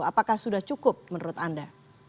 apakah sudah cukup menurut anda